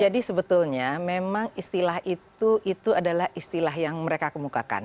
jadi sebetulnya memang istilah itu adalah istilah yang mereka kemukakan